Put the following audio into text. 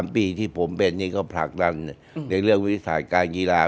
๓ปีที่ผมเป็นนี่ก็ผลักดันในเรื่องวิทยาศาสตร์การกีฬา